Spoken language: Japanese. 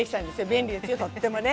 便利です。